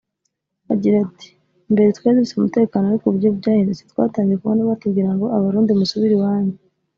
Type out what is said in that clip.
Agita ati "Mbere twari dufite umutekano ariko uburyo byahindutse twatangiye kubona batubwira ngo ’Abarundi musubire iwanyu’